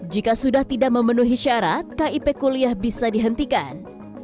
jika sudah tidak memenuhi syarat kip kuliah bisa dihentikan